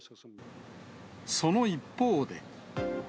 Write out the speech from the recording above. その一方で。